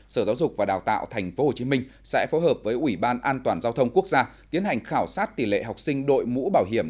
sở giáo dục và đào tạo tp hcm sẽ phối hợp với ủy ban an toàn giao thông quốc gia tiến hành khảo sát tỷ lệ học sinh đội mũ bảo hiểm